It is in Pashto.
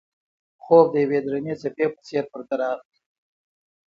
خوب د یوې درنې څپې په څېر په ده راغی.